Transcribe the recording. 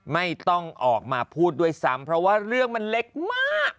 ไม่ต้องออกมาพูดด้วยซ้ำเพราะว่าเรื่องมันเล็กมาก